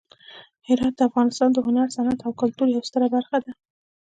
هرات د افغانستان د هنر، صنعت او کلتور یوه ستره برخه ده.